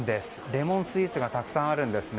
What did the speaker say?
レモンスイーツがたくさんあるんです。